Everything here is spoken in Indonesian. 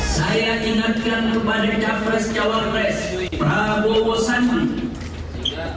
saya ingatkan kepada jafres jawarres prabowo santi